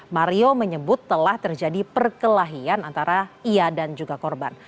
mario menyebut telah terjadi perkelahian antara ia dan juga korban